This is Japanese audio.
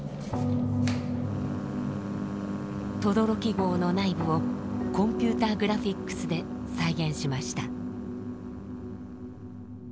轟壕の内部をコンピューターグラフィックスで再現しました。